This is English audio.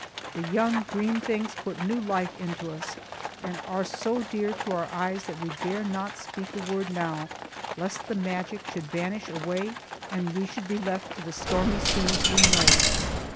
The young green things put new life into us, and are so dear to our eyes that we dare not speak a word now, lest the magic should vanish away and we should be left to the stormy scenes we know.